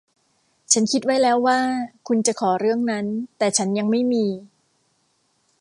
ฉันคิดไว้แล้วว่าคุณจะขอเรื่องนั้น แต่ฉันยังไม่มี